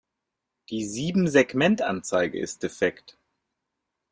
Die Siebensegmentanzeige ist defekt.